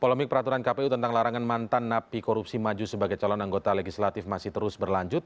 polemik peraturan kpu tentang larangan mantan napi korupsi maju sebagai calon anggota legislatif masih terus berlanjut